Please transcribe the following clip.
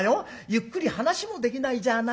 ゆっくり話もできないじゃあないか。